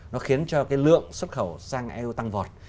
nó khiến cho cái lượng xuất khẩu sang eu tăng vọt